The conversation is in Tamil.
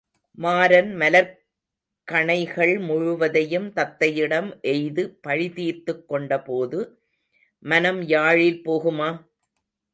மாரன் மலர்க்கணைகள் முழுவதையும் தத்தையிடம் எய்து பழிதீர்த்துக் கொண்டபோது, மனம் யாழில் போகுமா?